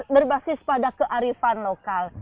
berbasis pada kearifan lokal